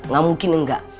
gak mungkin enggak